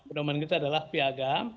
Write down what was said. pedoman kita adalah piagam